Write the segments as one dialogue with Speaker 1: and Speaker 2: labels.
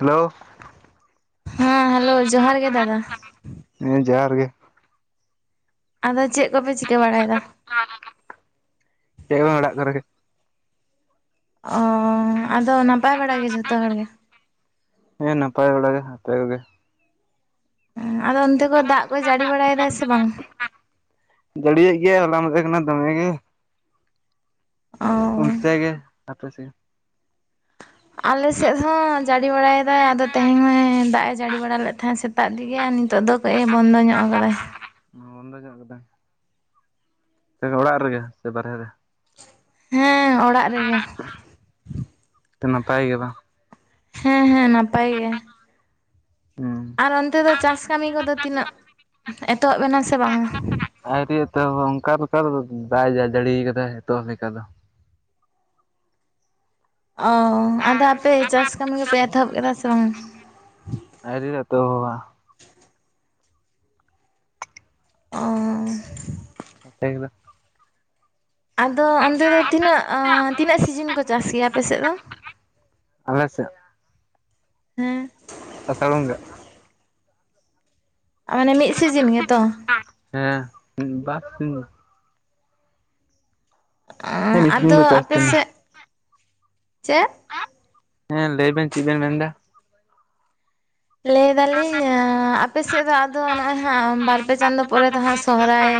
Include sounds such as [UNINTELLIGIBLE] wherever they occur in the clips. Speaker 1: Hello
Speaker 2: ᱦᱮᱸ hello ᱡᱚᱦᱟᱨ ᱜᱮ ᱫᱟᱫᱟ!
Speaker 1: ᱦᱮᱸ ᱡᱚᱦᱟᱨ ᱜᱮ
Speaker 2: ᱟᱫᱚ ᱪᱮᱜ ᱠᱚᱯᱮ ᱪᱤᱠᱟᱹ ᱵᱟᱲᱟᱭᱮᱫᱟ?
Speaker 1: [UNINTELLIGIBLE] ᱪᱮᱫ ᱦᱚᱸ ᱵᱟᱝ ᱚᱲᱟᱜ ᱠᱚᱨᱮ ᱜᱮ
Speaker 2: ᱚᱸ ᱟᱫᱚ ᱱᱟᱯᱟᱭ ᱵᱟᱲᱟ ᱜᱮ ᱡᱷᱚᱛᱚ ᱦᱚᱲ ᱜᱮ
Speaker 1: ᱦᱮᱸ ᱱᱟᱯᱟᱭ ᱵᱟᱲᱟ ᱜᱮ ᱟᱯᱮ ᱠᱩᱜᱮ
Speaker 2: ᱟᱫᱚ ᱚᱱᱛᱮ ᱠᱚ ᱫᱟᱜ ᱠᱚᱭ ᱡᱟᱹᱲᱤ ᱵᱟᱲᱟᱭᱮᱫᱟᱭ ᱥᱮ ᱵᱟᱝ?
Speaker 1: ᱡᱟᱹᱲᱤᱭᱮᱜ ᱜᱮᱭᱟᱭ ᱦᱚᱞᱟ ᱢᱟᱫᱷᱮᱨ ᱠᱷᱚᱱᱟᱜ ᱫᱚᱢᱮ ᱜᱮ᱾
Speaker 2: ᱚ
Speaker 1: ᱚᱱᱛᱮ ᱜᱮ, ᱟᱯᱮ ᱥᱮ
Speaker 2: ᱟᱞᱮ ᱥᱮᱫ ᱦᱚᱸ ᱡᱟᱹᱲᱤ ᱵᱟᱲᱟᱭᱮᱫᱟᱭ ᱟᱫᱚ ᱛᱮᱦᱮᱧ ᱢᱟ ᱫᱟᱜ ᱮ ᱡᱟᱹᱲᱤ ᱵᱟᱲᱟ ᱞᱮᱫ ᱛᱟᱦᱮᱸᱫ ᱥᱮᱫ ᱥᱮᱛᱟᱜ ᱛᱮᱜᱮ ᱱᱤᱛᱚᱜ ᱫᱚ ᱠᱟᱹᱡ ᱮ ᱵᱚᱱᱫᱚ ᱧᱚᱜ ᱟᱠᱟ ᱫᱟᱭ᱾
Speaker 1: ᱵᱚᱱᱫᱚ ᱧᱚᱜ ᱠᱟᱫᱟᱭ ᱮ ᱜᱚ ᱚᱲᱟᱜ ᱨᱮᱜᱮ ᱥᱮ ᱵᱟᱨᱦᱮ ᱨᱮ
Speaker 2: ᱦᱮᱸ ᱚᱲᱟᱜ ᱨᱮᱜᱮ
Speaker 1: ᱛᱮ ᱱᱟᱯᱟᱭ ᱜᱮ ᱵᱟᱝ
Speaker 2: ᱦᱮᱸ ᱦᱮᱸ ᱱᱟᱯᱟᱭ ᱜᱮ
Speaker 1: ᱦᱩᱸ
Speaker 2: ᱟᱨ ᱚᱱᱛᱮ ᱫᱚ ᱪᱟᱥ ᱠᱟᱹᱢᱤ ᱠᱚᱫᱚ ᱛᱤᱱᱟᱹᱜ ᱩᱸᱦ ᱮᱛᱚᱦᱚᱵ ᱮᱱᱟ ᱥᱮ ᱵᱟᱝ?
Speaker 1: [UNINTELLIGIBLE] ᱛᱚ ᱚᱱᱠᱟ ᱞᱮᱠᱟ ᱫᱚ ᱵᱟᱭ ᱡᱟ ᱡᱟᱲᱤᱭᱟ ᱠᱟᱫᱟ ᱱᱤᱛᱚ ᱞᱮᱠᱟ ᱫᱚ ᱾
Speaker 2: ᱚ ᱟᱫᱚ ᱟᱯᱮ ᱪᱟᱥ ᱠᱟᱹᱢᱤ ᱠᱚᱯᱮ ᱮᱛᱚᱦᱚᱵ ᱠᱮᱫᱟ ᱥᱮ ᱵᱟᱝ?
Speaker 1: ᱦᱟᱣᱨᱤ ᱨᱮ ᱮᱛᱚᱦᱚᱵᱟ
Speaker 2: ᱚ
Speaker 1: ᱟᱯᱮ ᱜᱮᱫᱚ
Speaker 2: ᱟᱫᱚ ᱚᱱᱛᱮ ᱫᱚ ᱛᱤᱱᱟᱹᱜ, ᱛᱤᱱᱟᱹᱜ ᱥᱤᱡᱤᱱ ᱠᱚ ᱪᱟᱥ ᱜᱮᱭᱟ ᱟᱯᱮᱥᱮᱜ ᱫᱚ?
Speaker 1: ᱟᱞᱮᱥᱮᱫ
Speaker 2: ᱦᱮᱸ
Speaker 1: ᱟᱥᱟᱲ ᱵᱚᱸᱜᱟ,
Speaker 2: ᱢᱟᱱᱮ ᱢᱤᱫ ᱥᱤᱡᱤᱱ ᱜᱮᱛᱚ
Speaker 1: ᱦᱮᱸ [INAUDIBLE] ᱦᱮᱸ ᱢᱤᱫ ᱥᱤᱧ
Speaker 2: ᱟᱫᱚ
Speaker 1: ᱫᱚ ᱪᱟᱥ
Speaker 2: ᱟᱯᱮ
Speaker 1: ᱛᱟᱦᱮᱱᱟ
Speaker 2: ᱥᱮᱫ ᱴ, ᱪᱮᱫ
Speaker 1: ᱦᱮᱸ ᱞᱟᱹᱭ ᱵᱮᱱ ᱪᱮᱫ ᱵᱮᱱ ᱢᱮᱱᱫᱟ?
Speaker 2: ᱞᱟᱹᱭ ᱫᱟᱞᱤᱧ ᱟᱯᱮ ᱥᱮᱫ ᱫᱚ ᱟᱫᱚ ᱱᱚᱜᱼᱚᱭ ᱦᱟᱸᱜ ᱵᱟᱨᱯᱮ ᱪᱟᱸᱫ ᱯᱚᱨᱮ ᱫᱚ ᱦᱟᱸᱜ ᱥᱚᱦᱚᱨᱟᱭ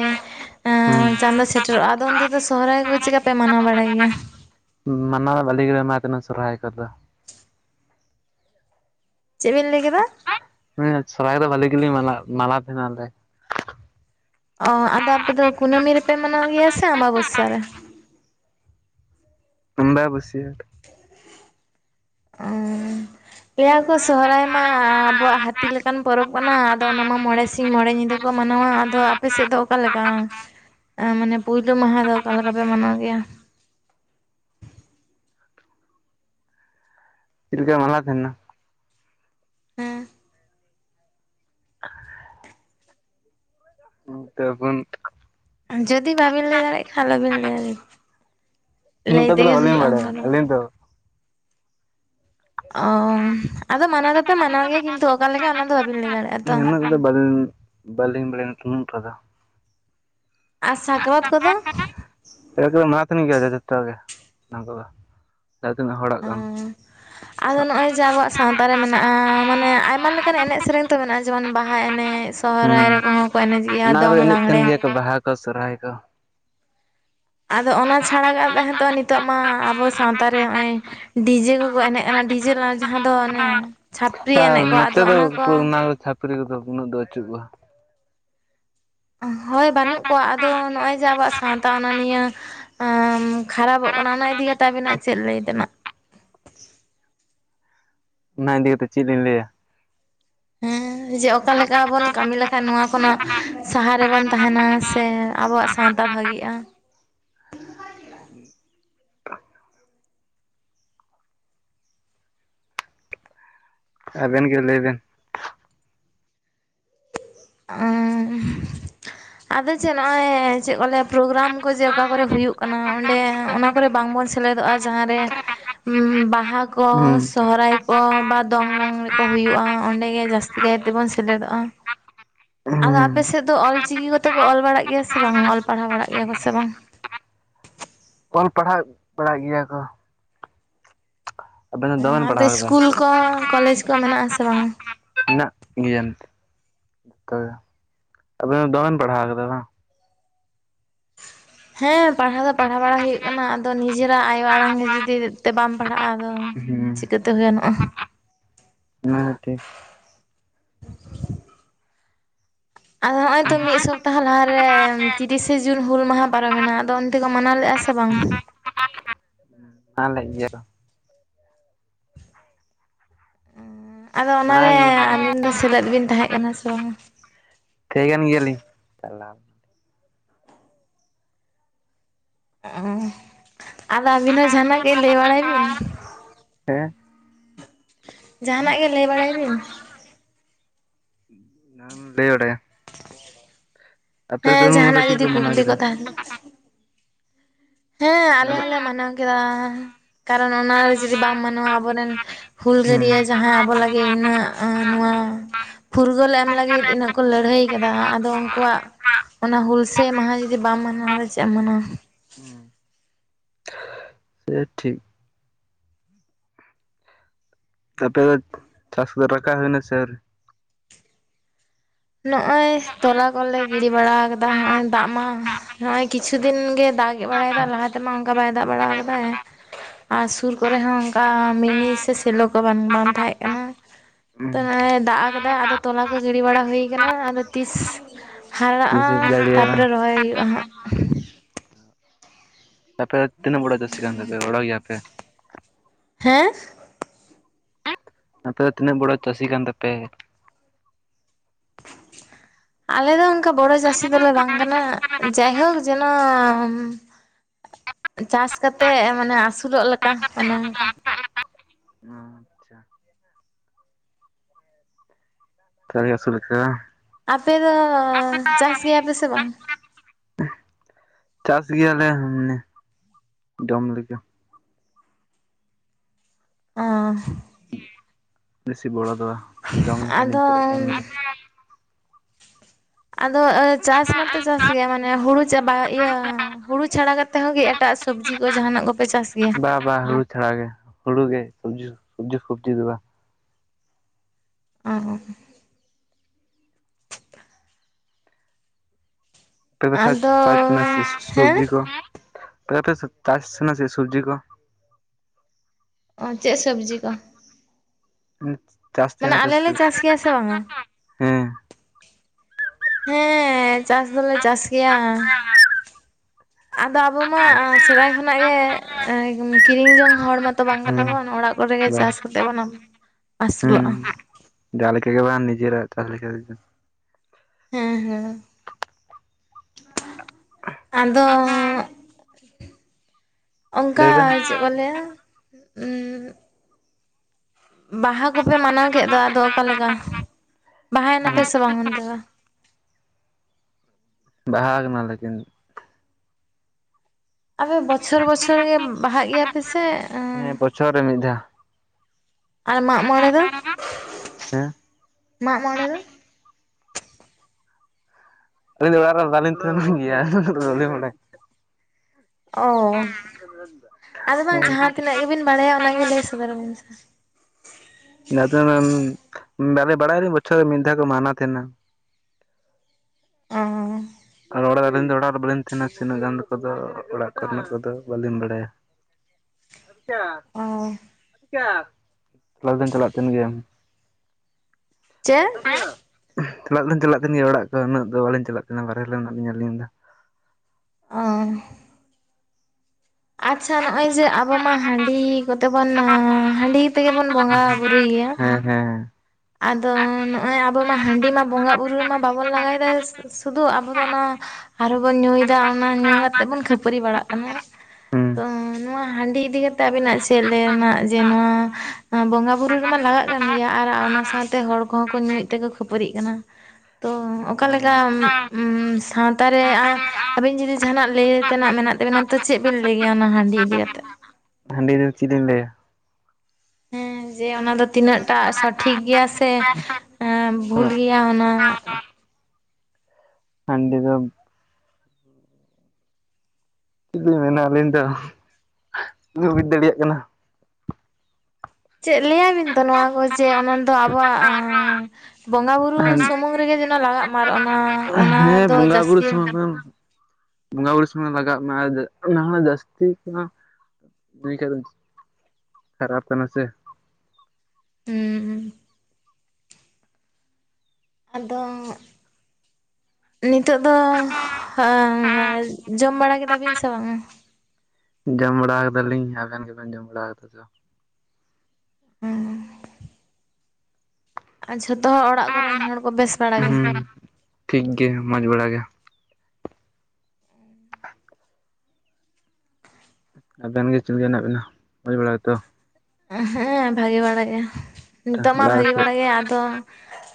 Speaker 1: ᱦᱩᱸ
Speaker 2: ᱾ ᱪᱟᱸᱫᱚ ᱥᱮᱴᱮᱨᱚᱜᱼᱟ ᱟᱫᱚ ᱚᱱᱛᱮ ᱫᱚ ᱥᱚᱦᱚᱨᱟᱭ ᱠᱚ ᱪᱤᱠᱟᱯᱮ ᱢᱟᱱᱟᱣ ᱵᱟᱲᱟᱭ ᱜᱮᱭᱟ?
Speaker 1: [UNINTELLIGIBLE] ᱵᱟᱞᱤ [UNINTELLIGIBLE] ᱥᱚᱨᱦᱟᱭ ᱠᱚᱫᱚ
Speaker 2: ᱪᱮᱫ ᱵᱮᱤ ᱞᱟᱹᱭ ᱠᱮᱫᱟ ᱾
Speaker 1: ᱦᱮᱸ ᱥᱨᱦᱟᱭ ᱫᱚ ᱵᱷᱟᱹᱞᱤ ᱜᱮᱞᱤᱧ ᱢᱟ ᱢᱟᱞᱟ ᱛᱟᱦᱮᱸᱱᱟᱞᱮ ᱾
Speaker 2: ᱚ ᱟᱫᱚ ᱟᱯᱮ ᱫᱚ ᱠᱩᱱᱟᱹᱢᱤ ᱨᱮᱯᱮ ᱢᱟᱱᱟᱣ ᱜᱮᱭᱟ, ᱥᱮ ᱟᱢᱵᱟᱵᱚᱥᱟ ᱨᱮ?
Speaker 1: ᱟᱢᱵᱟ ᱵᱟᱥᱤᱭᱟᱹ ᱨᱮ
Speaker 2: ᱚᱸᱻ ᱯᱮᱲᱟ ᱠᱚ ᱥᱚᱦᱨᱟᱭ ᱢᱟ ᱟᱵᱚᱣᱟᱜ ᱦᱟᱹᱛᱤ ᱞᱮᱠᱟᱱ ᱯᱚᱨᱚᱵᱽ ᱠᱟᱱᱟ ᱟᱫᱚ ᱚᱱᱟᱢᱟ ᱢᱚᱬᱮ ᱥᱤᱧ ᱢᱚᱬᱮ ᱧᱤᱫᱟᱹ ᱠᱚ ᱢᱟᱱᱟᱣᱟ ᱟᱫᱚ ᱟᱯᱮ ᱥᱮᱫ ᱫᱚ ᱚᱠᱟᱠᱟ ᱞᱮᱠᱟ? ᱢᱟᱱᱮ ᱯᱩᱭᱞᱳ ᱢᱟᱦᱟ ᱫᱚ ᱚᱠᱟ ᱞᱮᱠᱟ ᱯᱮ ᱢᱟᱱᱟᱣ ᱜᱮᱭᱟ?
Speaker 1: ᱪᱮᱫ ᱞᱮᱠᱟ ᱢᱟᱱᱟᱣ ᱛᱟᱦᱮᱱᱟ ᱾
Speaker 2: ᱦᱮᱸ
Speaker 1: ᱟᱨ ᱚᱱᱛᱮ ᱮᱠᱷᱚᱱ
Speaker 2: ᱡᱩᱫᱤ ᱵᱟᱵᱤᱱ ᱞᱟᱹᱭ ᱫᱟᱲᱮᱭᱟᱜ ᱠᱷᱟᱱ ᱟᱞᱚᱵᱤᱱ ᱞᱟᱹᱭᱟᱞᱤᱧ
Speaker 1: ᱩᱱᱟᱹᱜ
Speaker 2: ᱞᱟᱹᱭ
Speaker 1: ᱴᱟ
Speaker 2: ᱾
Speaker 1: ᱫᱚ
Speaker 2: ᱛᱮᱜᱮ
Speaker 1: ᱵᱟᱹᱞᱤᱧ
Speaker 2: ᱦᱩᱭᱩᱜᱼᱟ ᱚᱱᱠᱟ
Speaker 1: ᱵᱟᱲᱟᱭᱟ
Speaker 2: ᱫᱚ ᱾
Speaker 1: ᱟᱹᱞᱤᱧ
Speaker 2: ᱚ ᱟᱫᱚ ᱢᱟᱱᱟᱣ ᱫᱚᱯᱮ ᱢᱟᱱᱟᱣ ᱜᱮᱭᱟ, ᱠᱤᱱᱛᱩ ᱚᱠᱟ ᱞᱮᱠᱟ ᱚᱱᱟ ᱫᱚ ᱵᱟᱹᱵᱤᱱ ᱞᱟᱹᱭ ᱫᱟᱲᱮᱜ
Speaker 1: ᱩᱱᱟᱹᱜᱫᱚ ᱵᱟᱹᱞᱤᱧ ᱵᱟᱹᱞᱤᱧ ᱵᱟᱲᱟᱭᱟ ᱩᱱᱟᱹᱜᱴᱟ ᱫᱚ
Speaker 2: ᱟᱨ ᱥᱟᱠᱨᱟᱛ ᱠᱚᱫᱚ ᱾
Speaker 1: ᱮ ᱢᱟᱛᱷᱱᱤ ᱜᱮᱭᱟ ᱡᱚᱛᱚ ᱜᱮ ᱚᱱᱟ ᱠᱚᱫᱚ ᱾ ᱡᱟᱦᱟᱸ ᱛᱤᱱᱟᱹᱜ ᱦᱚᱲ
Speaker 2: ᱚ, ᱟᱫᱚ ᱱᱚᱜᱼᱚᱭ ᱡᱮ ᱟᱵᱚᱣᱟᱜ ᱥᱟᱱ ᱛᱟᱨᱮ ᱢᱮᱱᱟᱜᱼᱟ ᱢᱟᱱᱮ ᱟᱭᱢᱟ ᱞᱮᱠᱟᱱ ᱮᱱᱮᱡ ᱥᱮᱨᱮᱧ ᱛᱚ ᱢᱮᱱᱟᱜᱼᱟ ᱡᱮᱢᱚᱱ ᱵᱟᱦᱟ ᱮᱱᱮᱡ ᱾
Speaker 1: ᱦᱩᱸ
Speaker 2: ᱥᱚᱦᱨᱟᱭ ᱨᱮ ᱠᱚᱦᱚᱸ ᱠᱚ ᱮᱱᱮᱡ ᱜᱮᱭᱟ ᱾ ᱫᱚᱝ ᱞᱟᱜᱽᱬᱮ
Speaker 1: ᱛᱚ ᱥᱚᱨᱦᱟᱭ ᱠᱚ
Speaker 2: ᱟᱫᱚ ᱚᱱᱟ ᱪᱷᱟᱲᱟᱜ [UNINTELLIGIBLE] ᱦᱤᱛᱚᱜ ᱱᱤᱛᱚᱜ ᱢᱟ ᱟᱵᱚ ᱥᱟᱶᱛᱟᱮ ᱨᱮ ᱱᱚᱜᱼᱚᱭ ᱰᱤᱡᱮ ᱠᱚᱠᱚ ᱮᱱᱮᱡ ᱠᱟᱱᱟ ᱰᱤᱡᱮ ᱨᱮᱱᱟᱜ ᱡᱟᱦᱟᱸ ᱫᱚ ᱚᱱᱮ ᱪᱷᱟᱯᱨᱤ
Speaker 1: ᱟᱨ
Speaker 2: ᱮᱱᱮᱡ ᱠᱚ
Speaker 1: ᱱᱚᱛᱮ
Speaker 2: ᱟᱫᱚ
Speaker 1: ᱫᱚ
Speaker 2: ᱚᱱᱟ ᱠᱚ
Speaker 1: ᱚᱱᱟ ᱪᱷᱟᱯᱨᱤ ᱠᱚᱫᱚ ᱩᱱᱟᱹᱜ ᱫᱚ ᱟᱹᱪᱩᱜ ᱠᱚᱼᱟ ᱾
Speaker 2: ᱦᱳᱭ ᱵᱟᱹᱱᱩᱜ ᱠᱚᱣᱟ ᱟᱫᱚ ᱱᱚᱜᱼᱚᱭ ᱡᱮ ᱟᱵᱚᱣᱟᱜ ᱥᱟᱶᱛᱟ ᱚᱱᱟ ᱱᱤᱭᱟᱹ ᱾ ᱟ ᱠᱷᱟᱨᱟᱯᱚᱜ ᱠᱟᱱᱟ ᱚᱱᱟ ᱤᱫᱤ ᱠᱟᱛᱮ ᱟᱵᱤᱱᱟᱜ ᱪᱮᱫ ᱞᱟᱹᱭ ᱛᱮᱱᱟᱜ?
Speaker 1: ᱚᱱᱟ ᱤᱫᱤ ᱠᱟᱛᱮᱫ ᱪᱮᱫ ᱞᱤᱧ ᱞᱟᱹᱭᱟ ᱾
Speaker 2: ᱦᱮᱸ ᱡᱮ ᱚᱠᱟᱞᱮᱠᱟ ᱵᱚᱱ ᱠᱟᱹᱢᱤ ᱞᱮᱠᱷᱟᱱ ᱱᱚᱣᱟ ᱠᱚᱱᱟᱜ ᱥᱟᱦᱟ ᱨᱮᱵᱚᱱ ᱛᱟᱦᱮᱱᱟ ᱥᱮ ᱟᱵᱚᱣᱟᱜ ᱥᱟᱶᱛᱟ ᱵᱷᱟᱜᱤᱜᱼᱟ ᱾
Speaker 1: [INAUDIBLE] ᱟᱵᱮᱱ ᱜᱮ ᱞᱟᱹᱭᱵᱮᱱ?
Speaker 2: ᱟᱨ [UNINTELLIGIBLE] ᱟᱫᱚ ᱪᱮᱫ ᱱᱚᱜᱼᱚᱭ ᱪᱮᱫ ᱠᱚ ᱞᱟᱹᱭᱟ ᱯᱨᱳᱜᱨᱟᱢ ᱠᱚ ᱡᱮ ᱚᱠᱟ ᱠᱚᱨᱮ ᱦᱩᱭᱩᱜ ᱠᱟᱱᱟ, ᱚᱸᱰᱮ ᱚᱱᱟ ᱠᱚᱨᱮ ᱵᱟᱝ ᱵᱚᱱ ᱥᱮᱞᱮᱫᱚᱜ-ᱟ ᱡᱟᱦᱟᱸ ᱨᱮ᱾ ᱢᱩᱸ, ‌ ᱵᱟᱦᱟ ᱠᱚ
Speaker 1: ᱦᱩᱸ
Speaker 2: ᱥᱚᱦᱨᱟᱭ ᱠᱚ ᱵᱟ ᱫᱚᱝ ᱞᱟᱜᱽᱬᱲᱮ ᱠᱚ ᱦᱩᱭᱩᱜ-ᱟ ᱚᱸᱰᱮ ᱜᱮ ᱡᱟᱥᱼᱼ ᱪᱮᱫ ᱠᱟᱛᱮ ᱵᱚᱱ ᱥᱮᱞᱮᱫᱚᱜ-ᱟ? ᱟᱫᱚ
Speaker 1: ᱦᱩᱸ
Speaker 2: ᱟᱯᱮ ᱥᱮᱫ ᱫᱚ ᱚᱞ ᱪᱤᱠᱤ ᱠᱚᱛᱮ ᱠᱚ ᱚᱞ ᱵᱟᱲᱟᱜ ᱜᱮᱭᱟ ᱥᱮ ᱵᱟᱝ ᱚᱞ ᱯᱟᱲᱦᱟᱣ ᱵᱟᱲᱟᱜ ᱜᱮᱭᱟ ᱠᱚ ᱥᱮ ᱵᱟᱝ?
Speaker 1: ᱚᱞ ᱯᱟᱲᱦᱟᱜ ᱵᱟᱲᱟᱭ ᱜᱮᱭᱟ ᱠᱚ᱾ ᱟᱵᱮᱱ ᱫᱚ
Speaker 2: ᱦᱚᱸ
Speaker 1: ᱫᱚᱢᱮᱱ
Speaker 2: ᱟᱫᱚ
Speaker 1: ᱯᱟᱲᱦᱟᱣ ᱠᱟᱫᱟ
Speaker 2: ᱤᱥᱠᱩᱞ ᱠᱚ ᱠᱚᱞᱮᱡᱽ ᱠᱚ ᱢᱮᱱᱟᱜᱼᱟ ᱥᱮ ᱵᱟᱝᱟ?
Speaker 1: ᱢᱮᱱᱟᱜ ᱜᱮᱭᱟᱱ ᱛᱚ, ᱟᱵᱮᱱ ᱫᱚ ᱫᱚᱢᱮ ᱵᱮᱱ ᱯᱟᱲᱦᱟᱣ ᱠᱟᱫᱟ ᱵᱟᱝ᱾
Speaker 2: ᱦᱮᱸ ᱯᱟᱲᱦᱟᱣ ᱫᱚ ᱯᱟᱲᱦᱟᱣ ᱵᱟᱲᱟ ᱦᱩᱭᱩᱜ ᱠᱟᱱᱟ ᱟᱫᱚ ᱱᱤᱡᱮᱨᱟᱜ ᱟᱭᱳ ᱟᱲᱟᱝ ᱡᱩᱫᱤ ᱛᱮ ᱵᱟᱢᱼᱼ ᱯᱟᱲᱦᱟᱜ-ᱟ ᱫᱚ
Speaker 1: ᱦᱩᱸ
Speaker 2: ᱪᱤᱠᱟᱹ ᱛᱮ ᱦᱩᱭ ᱜᱟᱱᱚᱜ-ᱟ᱾
Speaker 1: ᱚᱱᱟ ᱦᱚᱸ ᱴᱷᱤᱠ᱾
Speaker 2: ᱟᱫᱚ ᱦᱚᱸᱜ-ᱚᱭ ᱛᱚ ᱢᱤᱫ ᱥᱚᱯᱛᱟ ᱦᱚᱸ ᱞᱟᱦᱟ ᱨᱮ ᱛᱤᱨᱤ ᱥᱮ ᱡᱩᱱ ᱦᱩᱞ ᱢᱟᱦᱟᱸ ᱯᱟᱨᱚᱢᱮᱱᱟ ᱟᱫᱚ ᱚᱱᱛᱮ ᱠᱚ ᱢᱟᱱᱟᱣ ᱞᱮᱜ-ᱟ ᱥᱮ ᱥᱮ ᱵᱟᱝ?
Speaker 1: [UNINTELLIGIBLE] ᱞᱮᱜ ᱜᱮᱭᱟ ᱠᱚ᱾
Speaker 2: ᱟᱫᱚ ᱚᱱᱟ ᱨᱮ
Speaker 1: ᱢᱟᱱᱟ
Speaker 2: ᱟᱵᱤᱱ ᱫᱚ ᱥᱮᱞᱮᱫ ᱵᱤᱱ ᱛᱟᱦᱮᱸ ᱠᱟᱱᱟ ᱥᱮ ᱵᱟᱝ᱾
Speaker 1: ᱛᱮᱦᱮᱸ ᱠᱟᱱ ᱜᱮᱭᱟ‌ ᱞᱤᱧ, ᱪᱟᱞᱟᱣᱼᱼ
Speaker 2: ᱚ, ᱟᱫᱚ ᱟᱹᱵᱤᱱ ᱦᱚᱸ ᱡᱟᱦᱟᱸ ᱱᱟᱜ ᱜᱮ ᱞᱟᱹᱭ ᱵᱟᱲᱟᱭ ᱵᱤᱱ?
Speaker 1: ᱦᱮᱸ
Speaker 2: ᱡᱟᱸᱦᱟᱱᱟᱜ ᱜᱮ ᱞᱟᱹᱭ ᱵᱟᱲᱟᱭ ᱵᱤᱱ?
Speaker 1: ᱱᱚᱣᱟᱢ ᱞᱟᱹᱭ ᱵᱟᱲᱟᱭᱟ᱾ ᱟᱯᱮ ᱫᱚ
Speaker 2: ᱦᱮᱸ
Speaker 1: ᱩᱱ ᱢᱚᱛᱚ
Speaker 2: ᱡᱟᱸᱦᱟᱱᱟᱜ
Speaker 1: ᱪᱮᱫ
Speaker 2: ᱡᱩᱫᱤ
Speaker 1: ᱢᱟᱱᱟᱣ
Speaker 2: ᱠᱩᱠᱞᱤ
Speaker 1: ᱠᱮᱫᱟ
Speaker 2: ᱠᱚ ᱛᱟᱸᱦᱮᱱ ᱛᱟ ᱦᱮᱸ ᱟᱞᱮ ᱦᱚᱸᱞᱮ ᱢᱟᱱᱟᱣ ᱜᱮᱭᱟ ᱠᱟᱨᱚᱱ ᱚᱱᱟ ᱨᱮ ᱡᱩᱫᱤ ᱵᱟᱢ ᱢᱟᱱᱟᱣᱟ ᱟᱵᱚ ᱨᱮᱱ
Speaker 1: ᱦᱩᱸ
Speaker 2: ᱦᱩᱞᱜᱟᱹᱨᱭᱟᱹ ᱡᱟᱦᱟᱸ ᱟᱵᱚ ᱞᱟᱜᱤᱫ ᱤᱱᱟᱹᱜ ᱱᱚᱣᱟ ᱯᱷᱩᱨᱜᱟᱹᱞ ᱮᱢ ᱞᱟᱜᱤᱫ ᱤᱱᱟᱹᱜ ᱠᱚ ᱞᱟᱹᱲᱦᱟᱹᱭ ᱠᱟᱫᱟ ᱟᱫᱚ ᱩᱱᱠᱩ ᱣᱟᱜ᱾ ᱚᱱᱟ ᱦᱩᱞᱥᱟᱹᱭ ᱢᱟᱦᱟᱸ ᱡᱩᱫᱤ ᱵᱟᱢ ᱢᱟᱱᱟᱣᱟ ᱟᱫᱚ ᱪᱮᱜ-ᱮᱢ ᱢᱟᱱᱟᱣᱟ᱾
Speaker 1: ᱦᱩᱸ᱾ ᱥᱮ ᱴᱷᱤᱠ ᱛᱚ ᱟᱯᱮ ᱫᱚ ᱪᱟᱥ ᱠᱚᱫᱚ ᱨᱟᱠᱟᱵ ᱦᱩᱭᱱᱟ ᱥᱮ ᱟᱹᱣᱨᱤ?
Speaker 2: ᱱᱚᱜ-ᱚᱸᱭ ᱛᱚᱞᱟ ᱠᱚᱞᱮ ᱜᱤᱰᱤ ᱵᱟᱲᱟ ᱟᱠᱟᱫᱟ ᱦᱚᱸᱜ-ᱚᱭ ᱫᱟᱜ ᱢᱟᱼᱼ ᱱᱚᱜ-ᱚᱭ ᱠᱤᱪᱷᱩ ᱫᱤᱱ ᱜᱮ ᱫᱟᱜ ᱜᱮᱜ ᱵᱟᱲᱟᱭ ᱫᱟ ᱞᱟᱦᱟ ᱛᱮᱢᱟ ᱚᱱᱠᱟ ᱵᱟᱭ ᱫᱟᱜ ᱵᱟᱲᱟ ᱠᱟᱫᱟᱭ᱾ ᱟᱨ ᱥᱩᱨ ᱠᱚᱨᱮ ᱦᱚᱸ ᱚᱝᱠᱟ ᱢᱤᱱᱤ ᱥᱮ ᱥᱮᱞᱚ ᱠᱚ ᱵᱟᱱ ᱵᱟᱝ ᱛᱟᱦᱮᱸᱜ ᱠᱟᱱᱟ᱾ ᱛᱚ ᱱᱚᱜ-ᱚᱭ ᱫᱟᱜ ᱟᱠᱟᱫᱟ ᱟᱫᱚ ᱛᱚᱞᱟ ᱠᱚ ᱜᱤᱲᱤ ᱵᱟᱲᱟ ᱦᱩᱭᱼᱼ ᱠᱟᱱᱟ ᱟᱫᱚ ᱛᱤᱥ ᱦᱟᱨᱟᱜ-ᱟ
Speaker 1: ᱛᱤᱥᱮ ᱡᱟᱹᱲᱤᱭᱟ ᱵᱟᱝ
Speaker 2: ᱛᱟᱯᱚᱨᱮ ᱨᱚᱦᱚᱭ ᱦᱩᱭᱩᱜ-ᱟ ᱦᱟᱸᱜ᱾
Speaker 1: ᱟᱯᱮ ᱫᱚ ᱛᱤᱱᱟᱹᱜ ᱵᱚᱲᱚ ᱪᱟᱹᱥᱤ ᱠᱟᱱ ᱛᱮ ᱯᱮ ᱵᱚᱲᱚ ᱜᱮᱭᱟ ᱯᱮ?
Speaker 2: ᱦᱮᱸ
Speaker 1: ᱟᱯᱮ ᱫᱚ ᱛᱤᱱᱟᱹᱜ ᱵᱚᱲᱚ ᱪᱟᱹᱥᱤ ᱠᱟᱱ ᱛᱮᱯᱮ?
Speaker 2: ᱟᱞᱮ ᱫᱚ ᱚᱱᱠᱟ ᱵᱚᱲᱚ ᱪᱟᱥᱤ ᱫᱚᱞᱮ ᱵᱟᱝ ᱠᱟᱱᱟ ᱡᱟᱭᱦᱳᱠ ᱡᱮᱱᱚᱢᱼᱼ ᱪᱟᱥ ᱠᱟᱛᱮᱜ ᱢᱟᱱᱮ ᱟᱥᱩᱞᱚᱜ ᱞᱮᱠᱟ ᱚᱱᱮ ᱚᱝᱠᱟ᱾
Speaker 1: ᱚ, ᱟᱪᱪᱷᱟ᱾ ᱠᱷᱟᱹᱞᱤ ‌ᱟᱥᱩᱞᱮᱠᱟ
Speaker 2: ᱟᱯᱮ ᱫᱚ ᱪᱟᱥ ᱜᱮᱭᱟ ᱯᱮ ᱥᱮ ᱵᱟᱝ?
Speaker 1: ᱪᱟᱥ ᱜᱮᱭᱟ ᱞᱮ ᱦᱩᱸ ᱢᱟᱱᱮ ᱡᱚᱢ ᱞᱮᱠᱟ᱾
Speaker 2: ᱚᱸ᱾
Speaker 1: ᱵᱮᱥᱤ ᱵᱚᱲᱚ ᱫᱚᱣᱟ ᱡᱚᱢ ᱞᱮᱠᱟ
Speaker 2: ᱟᱫᱚ
Speaker 1: ᱱᱤᱡᱮᱨᱟᱜ ᱡᱚᱢ ᱞᱮᱠᱟ᱾
Speaker 2: ᱟᱫᱚ ᱚ ᱪᱟᱥ ᱢᱟᱛᱚ ᱪᱟᱥ ᱜᱮᱭᱟ ᱢᱟᱱᱮ ᱦᱩᱲᱩ ᱪᱟᱵᱟ ᱤᱭᱟᱹ ᱦᱩᱲᱩ ᱪᱷᱟᱲᱟ ᱠᱟᱛᱼᱼ ᱛᱮᱦᱚᱸ ᱜᱮ ᱮᱴᱟᱜ ᱥᱚᱵᱽᱡᱤ ᱠᱚ ᱡᱟᱸᱦᱟᱱᱟᱜ ᱠᱚᱯᱮ ᱪᱟᱥ ᱜᱮᱭᱟ?
Speaker 1: ᱵᱟᱼᱵᱟ ᱦᱩᱲᱩ ᱪᱷᱟᱲᱟ ᱜᱮ, ᱦᱩᱲᱩ ᱜᱮ ᱥᱩᱵᱽᱡᱤ ᱥᱩᱵᱽᱡᱤ ᱥᱩᱵᱽᱡᱤ ᱠᱩᱵᱽᱡᱤ‌ ᱫᱚ ᱵᱟ᱾
Speaker 2: ᱚᱻ᱾
Speaker 1: ᱛᱚᱵᱮ ᱥᱟᱡᱽ
Speaker 2: ᱟᱫᱚ
Speaker 1: ᱥᱟᱡᱽ ᱛᱟᱦᱮᱱᱟ ᱥᱮ
Speaker 2: ᱦᱮᱸ
Speaker 1: ᱥᱩᱵᱽᱡᱤ ᱠᱚ ᱛᱚ ᱟᱯᱮ ᱪᱟᱥ ᱛᱟᱦᱮᱱᱟ ᱥᱮ ᱥᱩᱵᱽᱡᱤ ᱠᱚ᱾
Speaker 2: ᱚ, ᱪᱮᱜ ᱥᱟᱹᱵᱽᱡᱤ ᱠᱚ?
Speaker 1: ᱦᱮᱸ ᱪᱟᱥ
Speaker 2: ᱢᱟᱱᱮ
Speaker 1: ᱛᱷᱮᱱᱟ ᱯᱮ
Speaker 2: ᱟᱞᱮ
Speaker 1: ᱥᱮ
Speaker 2: ᱞᱮ
Speaker 1: ᱪᱮᱜ,
Speaker 2: ᱪᱟᱥ ᱜᱮᱭᱟ ᱥᱮ ᱵᱟᱝᱟ?
Speaker 1: ᱦᱮᱸ᱾
Speaker 2: ᱦᱮᱸ ᱪᱟᱥ ᱫᱚᱞᱮ ᱪᱟᱥ ᱜᱮᱭᱟ᱾ ᱟᱫᱚ ᱟᱵᱚ ᱢᱟ ᱥᱮᱫᱟᱭ ᱠᱷᱚᱱᱟᱜ ᱜᱮ ᱠᱤᱨᱤᱧ ᱡᱚᱝ ᱦᱚᱲ ᱢᱟ ᱚ ᱵᱟᱝ
Speaker 1: ᱦᱩᱸ
Speaker 2: ᱠᱟᱱᱟ ᱵᱚᱱ ᱚᱲᱟᱜ ᱠᱚᱨᱮᱜᱮ
Speaker 1: ᱵᱟ
Speaker 2: ᱪᱟᱥ ᱠᱟᱛᱮ ᱵᱚᱱ ᱟᱹᱥᱩᱞᱚᱜᱼᱟ᱾
Speaker 1: ᱡᱟᱦᱟᱞᱮᱠᱟ ᱜᱮ ᱵᱟᱝ ᱱᱤᱡᱮᱨᱟ ᱠᱟᱹᱢᱤ ᱠᱟᱹᱢᱤ ᱛᱮ
Speaker 2: ᱦᱮᱸ ᱦᱮᱸ᱾ ᱟᱫᱚ᱾ ᱚᱱᱠᱟ
Speaker 1: ᱞᱟᱹᱭ ᱵᱮᱱ
Speaker 2: ᱪᱮᱫ ᱠᱚ ᱞᱟᱹᱭᱟ᱾ ᱵᱟᱦᱟ ᱠᱚᱯᱮ ᱢᱟᱱᱟᱣ ᱠᱮᱫ ᱫᱚ ᱟᱫᱚ ᱚᱠᱟᱞᱮᱠᱟ ᱵᱟᱦᱟᱭ ᱱᱟᱯᱮ ᱥᱮ ᱵᱟᱝ ᱚᱱᱛᱮ ᱫᱚ?
Speaker 1: ᱵᱟᱦᱟ ᱠᱟᱱᱟᱞ ᱡᱟᱱᱤᱡ
Speaker 2: ᱟᱯᱮ ᱵᱚᱪᱷᱚᱨ ᱵᱚᱪᱷᱚᱨ ᱜᱮ ᱵᱟᱦᱟᱜ ᱜᱮᱭᱟ ᱯᱮᱥᱮ᱾
Speaker 1: ᱦᱮᱸ ᱵᱚᱪᱷᱚᱨ ᱨᱮ ᱢᱤᱫ ᱫᱷᱟᱣ᱾
Speaker 2: ᱟᱨ ᱢᱟᱜ ᱢᱚᱬᱮ ᱫᱚ
Speaker 1: ᱦᱮᱸ
Speaker 2: ᱢᱟᱜ ᱢᱚᱬᱮ ᱫᱚ?
Speaker 1: ᱟᱞᱤᱧ ᱫᱚ ᱚᱲᱟᱜ ᱨᱮ [UNINTELLIGIBLE]
Speaker 2: ᱣ ᱟᱫᱚ ᱵᱟᱝ ᱡᱟᱦᱟᱸ ᱛᱤᱱᱟᱹᱜ ᱜᱮᱵᱤᱱ ᱵᱟᱲᱟᱭᱟ ᱚᱱᱟᱜᱮ ᱞᱟᱹᱭ ᱥᱚᱫᱚᱨᱟᱵᱤᱱ ᱥᱮ᱾
Speaker 1: ᱮ ᱵᱟᱲᱟᱭ ᱵᱪ ᱢᱤᱫ ᱫᱷᱟᱣ ᱠᱚ ᱢᱟᱱᱟᱣ ᱛᱟᱦᱮᱸᱱᱟ᱾
Speaker 2: ᱚᱸ
Speaker 1: ᱟᱨ ᱚᱲᱟᱜ ᱟᱹᱞᱤᱧ ᱫᱚ ᱚᱲᱟᱜ ᱨᱮ ᱵᱟᱹᱞᱤᱧ ᱛᱟᱦᱮᱱᱟ ᱛᱤᱱᱟᱹᱜ ᱜᱟᱱᱠᱚᱫᱚ ᱚᱲᱟᱜ ᱠᱚᱨᱮᱱᱟᱜ ᱠᱚᱫᱚ ᱵᱟᱹᱞᱤᱧ ᱵᱟᱲᱟᱭᱟ᱾
Speaker 2: [INAUDIBLE] ᱚ
Speaker 1: ᱠᱞᱟᱥ ᱫᱩᱧ ᱪᱟᱞᱟᱜ ᱛᱟᱦᱮᱱ ᱜᱮᱭᱟ
Speaker 2: ᱪᱮᱫ
Speaker 1: ᱪᱟᱞᱟᱜ ᱫᱚᱞᱤᱧ ᱪᱟᱞᱟᱜ ᱛᱟᱦᱮᱱ ᱜᱮᱭᱟ ᱚᱲᱟᱜ ᱠᱚ ᱩᱱᱟᱹᱜ ᱫᱚ ᱵᱟᱹᱞᱤᱧ ᱪᱟᱞᱟᱜ ᱠᱟᱱᱟ ᱵᱟᱨᱦᱮ ᱨᱮ ᱢᱮᱱᱟᱜ ᱠᱟ ᱞᱤᱧᱟ ᱟᱹᱞᱤᱧ ᱫᱚ
Speaker 2: ᱚᱸ ᱟᱪᱪᱷᱟ ᱱᱚᱜᱼᱚᱭ ᱡᱮ ᱟᱵᱚ ᱢᱟ ᱦᱟᱺᱰᱤ ᱠᱚᱛᱮ ᱵᱚᱱ ᱦᱟᱸᱰᱤ ᱛᱮᱜᱮ ᱵᱚᱱ ᱵᱚᱸᱜᱟ ᱵᱩᱨᱩᱭ ᱜᱮᱭᱟ
Speaker 1: ᱦᱮᱸ ᱦᱮᱸ
Speaker 2: ᱟᱫᱚ ᱱᱚᱜᱼᱚᱭ ᱟᱵᱚ ᱢᱟ ᱦᱟᱺᱰᱤ ᱢᱟ ᱵᱚᱸᱜᱟ ᱵᱩᱨᱩ ᱨᱮᱢᱟ ᱵᱟᱵᱚᱱ ᱞᱟᱜᱟᱭ ᱫᱟᱥᱮ ᱥᱩᱫᱩ ᱟᱵᱚ ᱫᱚ ᱚᱱᱟ ᱟᱨᱦᱸ ᱵᱚᱱ ᱧᱩᱭᱮᱫᱟ ᱚᱱᱟ ᱧᱩ ᱠᱟᱛᱮᱫ ᱵᱚᱱ ᱠᱷᱟᱹᱯᱟᱹᱨᱤ ᱵᱟᱲᱟᱜ ᱠᱟᱱᱟ᱾ ᱛᱚ
Speaker 1: ᱦᱮᱸ
Speaker 2: ᱱᱚᱣᱟ ᱦᱟᱺᱰᱤ ᱤᱫᱤ ᱠᱟᱛᱮᱜ ᱟᱵᱤᱱᱟᱜ ᱪᱮᱫ ᱞᱟᱹᱭ ᱨᱮᱱᱟᱜ ᱡᱮ ᱱᱚᱣᱭᱟ ᱵᱚᱸᱜᱟ ᱵᱩᱨᱩ ᱨᱮᱢᱟ ᱞᱟᱜᱟᱜ ᱠᱟᱱ ᱜᱮᱭᱟ ᱟᱨ ᱚᱱᱟ ᱥᱟᱛᱮ ᱦᱚᱲ ᱠᱚᱦᱚᱸ ᱠᱚ ᱧᱩᱭᱮᱫ ᱛᱮᱠᱚ ᱠᱷᱟᱹᱯᱟᱹᱨᱤᱜ ᱠᱟᱱᱟ ᱛᱚ ᱚᱠᱟᱞᱮᱠᱟ ᱥᱟᱶᱛᱟ ᱨᱮ ᱟᱹᱵᱤᱱ ᱡᱩᱫᱤ ᱡᱟᱦᱟᱱᱟᱜ ᱞᱟᱹᱭ ᱛᱮᱱᱟᱜ ᱢᱮᱱᱟᱜ ᱛᱟᱵᱤᱱᱟ ᱛᱚ ᱪᱮᱫ ᱵᱤᱱ ᱞᱟᱹᱭᱟ ᱚᱱᱟ ᱦᱟᱺᱰᱤ ᱤᱫᱤ ᱠᱟᱛᱮ
Speaker 1: ᱦᱟᱸᱰᱤ ᱨᱮ ᱪᱮᱫ ᱤᱧ ᱞᱮᱭᱟ᱾
Speaker 2: ᱦᱮᱸ ᱡᱮ ᱚᱱᱟ ᱫᱚ ᱛᱤᱱᱟᱹᱜ ᱴᱟ ᱥᱚᱴᱷᱤᱠ ᱜᱮᱭᱟ ᱥᱮ ᱵᱷᱩᱞ ᱜᱮᱭᱟ ᱚᱱᱟ᱾
Speaker 1: ᱦᱟᱺᱰᱤ ᱫᱚ ᱢᱟᱱᱮ ᱟᱹᱞᱤᱧ ᱫᱚ ᱵᱟᱞᱤᱧ ᱠᱩᱡ ᱫᱟᱲᱮᱭᱟᱜ ᱠᱟᱱᱟ?
Speaker 2: ᱪᱮᱫ ᱞᱟᱹᱭᱟᱵᱤᱱ ᱛᱚ ᱱᱚᱣᱭᱟ ᱠᱚ ᱡᱮ ᱚᱱᱟ ᱫᱚ ᱟᱵᱚᱣᱟᱜ ᱵᱚᱸᱜᱟ ᱵᱳᱨᱳ ᱥᱩᱢᱩᱝ ᱨᱮᱜᱮ ᱡᱮᱱᱚ ᱞᱟᱜᱟ ᱢᱟ ᱚᱱᱟ ᱚᱱᱟ
Speaker 1: ᱦᱮᱸ
Speaker 2: ᱫᱚ
Speaker 1: ᱵᱚᱸᱜᱟ ᱵᱩᱨᱩ
Speaker 2: ᱡᱟᱹᱥᱛᱤ
Speaker 1: ᱥᱚᱢᱚᱭ ᱵᱚᱸᱜᱟ ᱵᱩᱨᱩ ᱥᱚᱢᱚᱭ ᱞᱟᱜᱟ ᱢᱟ ᱚᱱᱟ ᱦᱸ ᱡᱟᱹᱥᱛᱤ ᱠᱷᱟᱨᱟᱯ ᱠᱟᱱᱟ ᱥᱮ
Speaker 2: ᱦᱩᱸ ᱟᱫᱚ ᱱᱤᱛᱚᱜ ᱫᱚ᱾ ᱡᱚᱢ ᱵᱟᱲᱟ ᱠᱮᱫᱟᱵᱤᱱ ᱥᱮ ᱵᱟᱝᱟ?
Speaker 1: ᱡᱚᱢ ᱵᱟᱲᱟ ᱠᱟᱫᱟᱞᱤᱧ ᱟᱵᱮᱱ ᱜᱮᱵᱮᱱ ᱡᱚᱢ ᱵᱟᱲᱟ ᱠᱟᱫᱟ ᱵᱟᱝ?
Speaker 2: ᱦᱩᱸ ᱟᱨ ᱡᱷᱚᱛᱚ ᱦᱚᱲ ᱚᱲᱟᱜ ᱠᱚᱨᱮᱱ ᱦᱚᱲ ᱠᱚ ᱵᱮᱥ ᱵᱟᱲᱟ ᱜᱮ
Speaker 1: ᱦᱩᱸ ᱴᱷᱤᱠ ᱜᱮ ᱢᱚᱡᱽ ᱵᱟᱲᱟ ᱜᱮ ᱟᱵᱮᱱ ᱜᱮ ᱪᱤᱞᱠᱟ ᱦᱮᱱᱟᱜ ᱵᱤᱱᱟ ᱢᱚᱡᱽ ᱵᱟᱲᱟ ᱜᱮᱛᱚ
Speaker 2: ᱦᱮᱸ ᱵᱷᱟᱜᱤ ᱵᱟᱲᱟ ᱜᱮ ᱱᱤᱛᱚᱜ ᱢᱟ
Speaker 1: ᱚᱲᱟᱜ
Speaker 2: ᱵᱷᱟᱜᱤ
Speaker 1: ᱨᱮ ᱥᱮᱫ
Speaker 2: ᱵᱟᱲᱟ ᱜᱮ ᱟᱫᱚ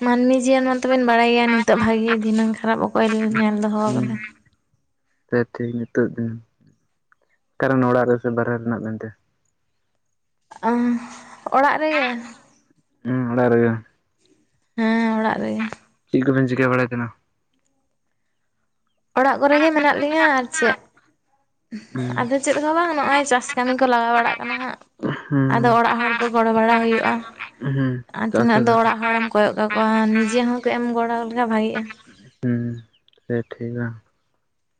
Speaker 2: ᱢᱟᱹᱱᱢᱤ ᱡᱤᱭᱚᱱ ᱢᱟᱛᱚ ᱵᱤᱱ ᱵᱟᱲᱟᱭ ᱜᱮᱭᱟ ᱱᱤᱛᱚᱜ ᱵᱷᱟᱜᱮ ᱫᱷᱤᱱᱟᱹᱝ ᱠᱷᱟᱨᱟᱯ ᱚᱠᱚᱭ ᱧᱮᱞ ᱫᱚᱦᱚ ᱠᱟᱫᱟᱭ᱾
Speaker 1: ᱥᱮ ᱴᱷᱤᱠ ᱱᱤᱛᱚᱜ ᱫᱤᱱ ᱚᱠᱟᱨᱮᱱ ᱚᱲᱟᱜ ᱨᱮᱥ ᱵᱟᱨᱦᱮ ᱨᱮᱱᱟᱜ ᱢᱮᱱᱛᱮ?
Speaker 2: ᱟᱦ ᱚᱲᱟᱜ ᱨᱮᱜᱮ,
Speaker 1: ᱦᱮᱸ ᱟᱲᱟᱜ ᱨᱮᱜᱮ,
Speaker 2: ᱦᱮᱸ ᱚᱲᱟᱜ ᱨᱮᱜᱮ,
Speaker 1: ᱪᱮᱫ ᱠᱚᱵᱮᱱ ᱪᱤᱠᱟᱹ ᱵᱟᱲᱟᱭ ᱠᱟᱱᱟ?
Speaker 2: ᱚᱲᱟᱜ ᱠᱚᱨᱮ ᱜᱮ ᱢᱮᱱᱟᱜ ᱞᱤᱧᱟᱹ ᱟᱨ ᱪᱮᱫ
Speaker 1: ᱦᱩᱸ
Speaker 2: ᱟᱫᱚ ᱪᱮᱫ ᱦᱚᱸ ᱵᱟᱝ ᱱᱚᱜᱼᱚᱭ ᱪᱟᱥ ᱠᱟᱹᱢᱤ ᱠᱚ ᱞᱟᱜᱟᱣ ᱵᱟᱲᱟᱜ ᱠᱟᱱᱟ ᱦᱟᱸᱜ
Speaker 1: ᱦᱩᱸ
Speaker 2: ᱟᱫᱚ ᱚᱲᱟᱜ ᱦᱚᱲ ᱠᱚ ᱜᱚᱲᱚ ᱵᱟᱲᱟ ᱦᱩᱭᱩᱜᱼᱟ,
Speaker 1: ᱦᱩᱸ
Speaker 2: ᱟᱨ
Speaker 1: ᱪᱟᱥ
Speaker 2: ᱛᱤᱱᱟᱹᱜ ᱫᱚ
Speaker 1: ᱠᱟᱫᱟ
Speaker 2: ᱚᱲᱟᱜ ᱦᱚᱲᱮᱢ ᱠᱚᱭᱚᱜ ᱠᱟᱠᱚᱣᱟ ᱱᱤᱡᱮ ᱦᱚᱸ ᱠᱟᱹᱡ ᱮᱢ ᱜᱚᱲᱚ ᱞᱮᱠᱷᱟᱡ ᱵᱷᱟᱜᱤᱜᱼᱟ,
Speaker 1: ᱦᱮᱸ ᱴᱷᱤᱠ ᱟ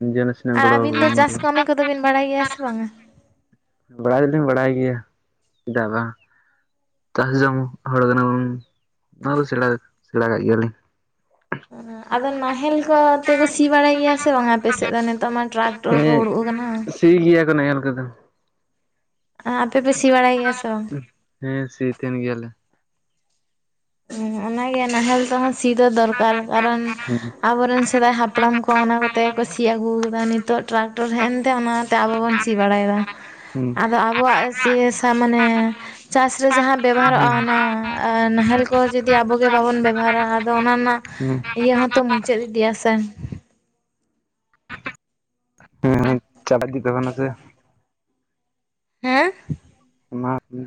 Speaker 1: ᱤᱡᱳ ᱢᱮᱥᱮ,
Speaker 2: ᱟᱨ ᱟᱹᱵᱤᱱ ᱫᱚ ᱪᱟᱥ ᱠᱟᱹᱢᱤ ᱠᱚᱫᱚ ᱵᱤᱱ ᱵᱟᱲᱟᱭ ᱜᱮᱭᱟ ᱥᱮ ᱵᱟᱝ ᱟ?
Speaker 1: ᱵᱟᱲᱟᱭ ᱫᱚ ᱞᱤᱧ ᱵᱟᱲᱟᱭ ᱜᱮᱭᱟ ᱪᱮᱫᱟᱜ ᱵᱟᱝ, ᱪᱟᱥ ᱡᱚᱢ ᱦᱚᱲ ᱠᱟᱱᱟ ᱵᱚᱱ ᱱᱚᱣᱟ ᱫᱚ ᱥᱮᱬᱟ ᱜᱮ ᱥᱮᱬᱟ ᱠᱟᱜ ᱜᱮᱭᱟ ᱞᱤᱧ,
Speaker 2: ᱟᱫᱚ ᱱᱟᱦᱮᱞ ᱠᱚ ᱛᱮᱠᱚ ᱥᱤ ᱵᱟᱲᱟᱭ ᱜᱮᱭᱟ ᱥᱮ ᱵᱟᱝ ᱟ ᱟᱯᱮᱥᱮᱫ ᱫᱚ ᱱᱤᱛᱚᱜ ᱢᱟ? ᱴᱨᱟᱠᱴᱚᱨ ᱠᱚ
Speaker 1: ᱦᱮᱸ
Speaker 2: ᱩᱰᱩᱠ ᱟᱠᱟᱱᱟ,
Speaker 1: ᱥᱤ ᱜᱮᱭᱟ ᱠᱚ ᱱᱟᱦᱮᱞ ᱠᱚᱫᱚ,
Speaker 2: ᱦᱮ ᱟᱯᱮ ᱯᱮ ᱥᱤ ᱵᱟᱲᱟᱭ ᱜᱮᱭᱟ ᱥᱮ ᱵᱟᱝ?
Speaker 1: ᱦᱮᱸ ᱥᱤ ᱛᱟᱦᱮᱱ ᱜᱮᱭᱟᱞᱮ,
Speaker 2: ᱦᱮᱸ ᱚᱱᱟᱜᱮ ᱱᱟᱦᱮᱞ ᱛᱮᱦᱚᱸ ᱥᱤ ᱫᱚ ᱫᱚᱨᱠᱟᱨ ᱠᱟᱨᱚᱱ
Speaker 1: ᱦᱩᱸ
Speaker 2: ᱟᱵᱚᱨᱮᱱ ᱥᱮᱫᱟᱭ ᱦᱟᱯ ᱦᱟᱯᱲᱟᱢ ᱠᱚ ᱚᱱᱟ ᱠᱚᱛᱮ ᱠᱚ ᱥᱤ ᱟᱹᱜᱩ ᱠᱟᱫᱟ ᱱᱤᱛᱚᱜ ᱴᱨᱟᱠᱴᱚᱨ ᱦᱮᱡ ᱮᱱ ᱛᱮ ᱚᱱᱟᱛᱮ ᱟᱵᱚ ᱵᱚᱱ ᱥᱤ ᱵᱟᱲᱟ ᱭᱮᱫᱟ,
Speaker 1: ᱦᱩᱸ
Speaker 2: ᱟᱫᱚ ᱟᱵᱚᱣᱟᱜ ᱥᱤ ᱦᱟᱥᱟ ᱢᱟᱱᱮ ᱪᱟᱥ ᱨᱮ ᱡᱟᱦᱟᱸ ᱵᱮᱵᱦᱟᱨᱚᱜᱼᱟ ᱚᱱᱟ ᱱᱟᱦᱮᱞ ᱠᱚ ᱠᱚ ᱡᱩᱫᱤ ᱟᱵᱚ ᱜᱮ ᱵᱟᱵᱚᱱ ᱵᱮᱵᱚ ᱦᱟᱨᱟ ᱟᱫᱚ ᱚᱱᱟ ᱨᱮᱱᱟᱜ
Speaker 1: ᱦᱩᱸ
Speaker 2: ᱤᱭᱟᱹ ᱦᱚᱸᱛᱚ ᱢᱩᱪᱟᱹᱫ ᱤᱫᱤᱜ-ᱟ ᱥᱮ,
Speaker 1: ᱦᱮᱸ ᱪᱟᱞᱟᱜ ᱜᱮ ᱛᱚ ᱠᱟᱱᱟ ᱥᱮ,
Speaker 2: ᱦᱮᱸ
Speaker 1: ᱚᱱᱟ ᱜᱮ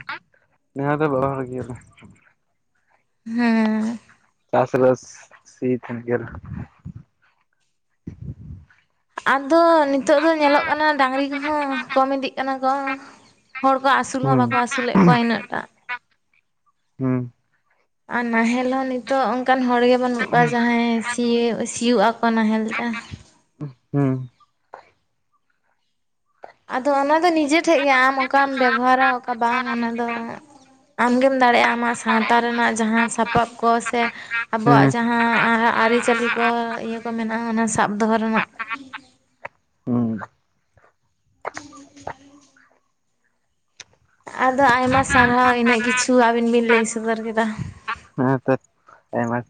Speaker 1: ᱡᱟᱦᱟ ᱫᱚ [UNINTELLIGIBLE] [UNINTELLIGIBLE] ᱜᱮᱭᱟᱞᱮ
Speaker 2: ᱦᱮᱸ
Speaker 1: ᱪᱟᱥ ᱨᱟᱥ ᱥᱤ ᱛᱟᱦᱮᱱ ᱜᱮᱭᱟ ᱞᱮ,
Speaker 2: ᱟᱫᱚ ᱱᱤᱛᱚᱜ ᱫᱚ ᱧᱮᱞᱚᱜ ᱠᱟᱱᱟ ᱰᱟᱝᱨᱤ ᱠᱚᱦᱚᱸ ᱠᱚᱢ ᱤᱫᱤᱜ ᱠᱟᱱᱟ ᱠᱚ, ᱦᱚᱲ ᱠᱚ ᱟᱹᱥᱩᱞ ᱦᱚᱸ
Speaker 1: ᱦᱩᱸ
Speaker 2: ᱵᱟᱠᱚ ᱟᱹᱥᱩᱞ ᱮᱫ ᱠᱚᱣᱟ ᱤᱱᱟᱹᱜ ᱴᱟᱜ,
Speaker 1: ᱦᱩᱸ
Speaker 2: ᱟᱨ ᱱᱟᱦᱮᱞ ᱦᱚᱸ ᱱᱤᱛᱚᱜ ᱚᱱᱠᱟᱱ ᱦᱚᱲ ᱜᱮ ᱵᱟᱹᱱᱩᱜ ᱠᱚᱣᱟ ᱡᱟᱦᱟᱸᱭ ᱥᱤᱭᱚ ᱥᱤᱭᱳᱜ ᱟᱠᱚ ᱱᱟᱦᱮᱞ ᱛᱮ,
Speaker 1: ᱦᱩᱸ
Speaker 2: ᱟᱫᱚ ᱚᱱᱟ ᱫᱚ ᱱᱤᱡᱮ ᱴᱷᱮᱡ ᱜᱮ ᱟᱢ ᱚᱠᱟᱢ ᱵᱮᱵᱚ ᱦᱟᱨᱟ ᱚᱠᱟ ᱵᱟᱝ ᱚᱱᱟ ᱫᱚ ᱟᱢᱜᱮᱢ ᱫᱟᱲᱮᱜᱼᱟ ᱟᱢᱟᱜ ᱥᱟᱶᱛᱟ ᱨᱮᱱᱟᱜ ᱡᱟᱦᱟᱸ ᱥᱟᱯᱟᱵ ᱠᱚ ᱥᱮ
Speaker 1: ᱦᱩᱸ
Speaker 2: ᱟᱵᱚᱣᱟᱜ ᱡᱟᱦᱟᱸ ᱟᱹᱨᱤᱪᱟᱹᱞᱤ ᱠᱚ ᱤᱭᱟᱹ ᱠᱚ ᱢᱮᱱᱟᱜᱼᱟ ᱚᱱᱟ ᱥᱟᱵ ᱫᱚᱦᱚ ᱨᱮᱱᱟᱜ,
Speaker 1: ᱦᱩᱸ
Speaker 2: [UNINTELLIGIBLE] [UNINTELLIGIBLE] ᱟᱫᱚ ᱟᱭᱢᱟ ᱥᱟᱨᱦᱟᱣ ᱤᱱᱟᱹᱜ ᱠᱤᱪᱷᱩ ᱟᱹᱵᱤᱱ ᱵᱤᱱ ᱞᱟᱹᱭ ᱥᱚᱫᱚᱨ ᱠᱮᱫᱟ,
Speaker 1: ᱦᱮᱸ ᱛᱚ ᱟᱭᱢᱟ